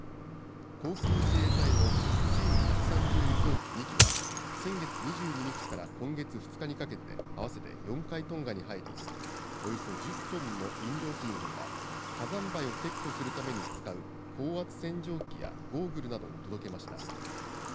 航空自衛隊のＣ１３０輸送機２機は、先月２２日から今月２日にかけて、合わせて４回トンガに入り、およそ１０トンの飲料水のほか、火山灰を撤去するために使う高圧洗浄機やゴーグルなどを届けました。